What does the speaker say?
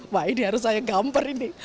wah ini harus saya gambar ini